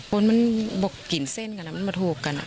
คนมันบกกินเส้นกันมันมาโทรกกัน